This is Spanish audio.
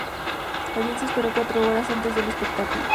La audiencia esperó cuatro horas antes del espectáculo.